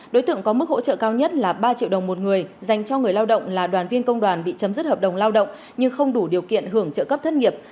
đối tượng có mức hỗ trợ cao nhất là ba triệu đồng một người dành cho người lao động là đoàn viên công đoàn bị chấm dứt hợp đồng lao động nhưng không đủ điều kiện hưởng trợ cấp thất nghiệp